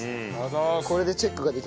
これでチェックができますので。